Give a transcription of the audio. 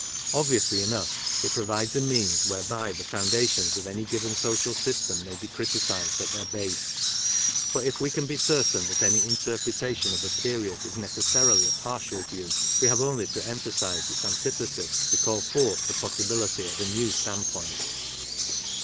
Obviously enough, it provides a means whereby the foundations of any given social system may be criticized at their base. For if we can be certain that any inter prtrtation of a period is necessarily a partial view, we have only to emphasize its antithesis to call forth the possibility of a new standpoint.